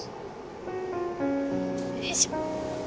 よいしょ。